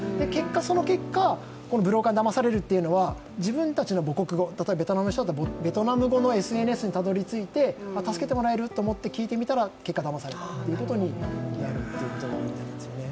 その結果、ブローカーにだまされるというのは、自分たちの母国語、例えばベトナムの人だったらベトナム語のＳＮＳにたどりついて助けてもらえると思って聞いてみたら結果だまされたということになることが多いんだと思いますね。